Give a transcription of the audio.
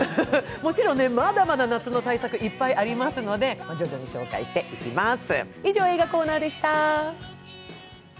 もちろんまだまだ夏の大作いっぱいありますので徐々に紹介していきます。